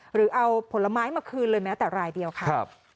หรือเอาผลไม้มาคืนเลยแม้แต่รายเดียวค่ะ